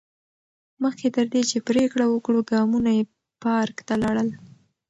مخکې تر دې چې پرېکړه وکړي، ګامونه یې پارک ته لاړل.